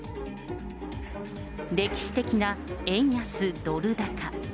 歴史的な円安ドル高。